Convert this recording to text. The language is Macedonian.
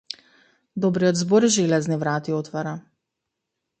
Добриот збор железни врати отвара.